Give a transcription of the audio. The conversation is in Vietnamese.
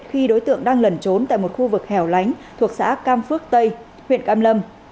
khi đối tượng đang lẩn trốn tại một khu vực hẻo lánh thuộc xã cam phước tây huyện cam lâm